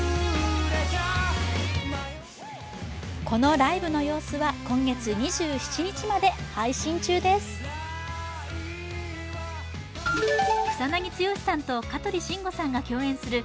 このライブの様子は今月２７日まで配信中です。